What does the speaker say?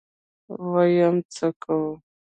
ويم څه کوو.